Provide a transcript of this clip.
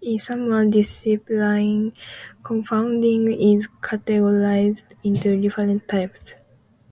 In some disciplines, confounding is categorized into different types.